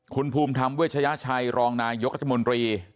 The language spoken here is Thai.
คุณภูมิธรรมเวชยชัยรองนายกรัฐมนตรี